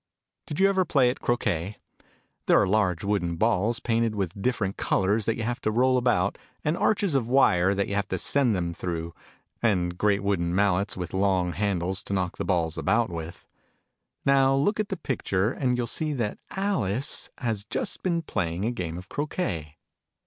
Did you ever play at Croquet ? There are large wooden balls, painted with different colours, that you have to roll about ; and arches of wire, that you have to send them through ; and great wooden mallets, with long handles, to knock the balls about with. Now look at the picture, and you'll see that Alice has just been playing a Game of Croquet.